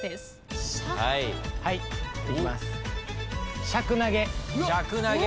はいいきます。